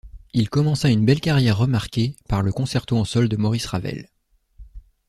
Il commença une belle carrière remarquée par le concerto en sol de Maurice Ravel.